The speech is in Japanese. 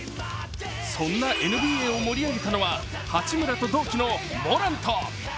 そんなＮＢＡを盛り上げたのは八村と同期のモラント。